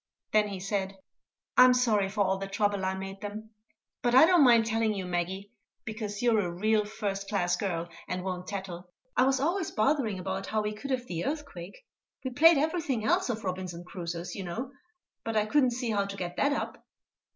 Then he said: "I'm sorry for all the trouble I made them; but I don't mind telling you, Maggie, because you're a real first class girl, and won't tattle. I was always bothering about how we could have the earthquake. We played everything else of Robinson Crusoe's, you know, but I couldn't see how to get that up."